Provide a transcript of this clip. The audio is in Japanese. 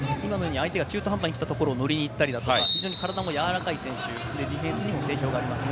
相手が中途半端に来たところを乗りにいったり、体も柔らかい選手なのでディフェンスにも定評がありますね。